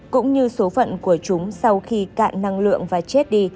cũng như số phận của chúng sau khi cạn năng lượng và chết đi